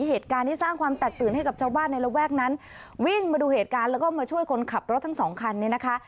เหตุการณ์ที่สร้างความแตกตื่นให้กับชาวบ้านในระแวกนั้นวิ่งมาดูเหตุการณ์แล้วก็มาช่วยคนขับรถทั้งสองคันนี้นะคะ